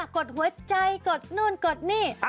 กดหัวใจกดนู่นกดนี่